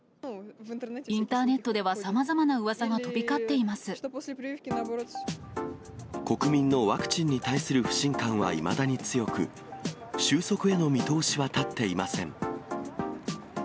インターネットではさまざま国民のワクチンに対する不信感は、いまだに強く、収束への見通しは立っていません。